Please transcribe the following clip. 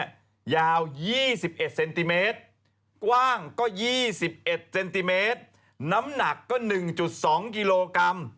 ยาว๒๑เซนติเมตรกว้างก็๒๑เซนติเมตรน้ำหนักก็๑๒กิโลกรัม